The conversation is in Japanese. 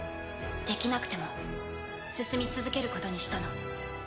できなくても進み続けることにしたの。